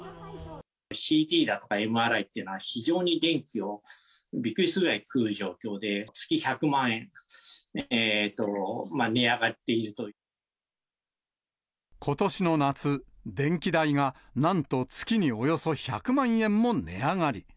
ＣＴだとかＭＲＩというのは、非常に電気を、びっくりするぐらい食う状況で、月１００万円、ことしの夏、電気代がなんと月におよそ１００万円も値上がり。